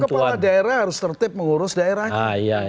kepala daerah harus tertip mengurus daerahnya